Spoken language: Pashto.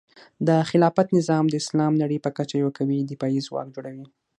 د خلافت نظام د اسلامي نړۍ په کچه یو قوي دفاعي ځواک جوړوي.